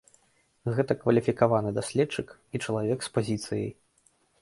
Гэта кваліфікаваны даследчык і чалавек з пазіцыяй.